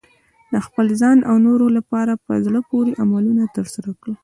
د خپل ځان او نورو لپاره په زړه پورې عملونه ترسره کړئ.